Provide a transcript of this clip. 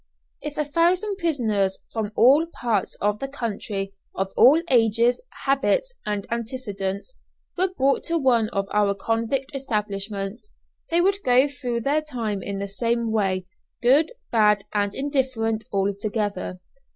If a thousand prisoners, from all parts of the country, of all ages, habits, and antecedents, were brought to one of our convict establishments, they would go through their time in the same way, good, bad, and indifferent, all together.